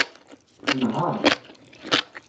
Nheṛ.